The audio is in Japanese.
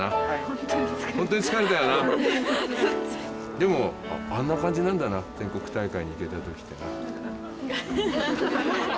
でもあんな感じなんだな全国大会に行けた時ってな。